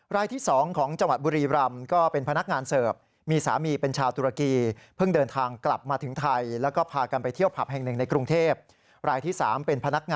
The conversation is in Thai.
รายที่๒ของจังหวัดบุรีรำก็เป็นพนักงานเสิร์ฟมีสามีเป็นชาวตุรกีเพิ่งเดินทางกลับมาถึงไทยแล้วก็พากันไปเที่ยวผับแห่งหนึ่งในกรุงเทพรายที่๓เป็นพนักงาน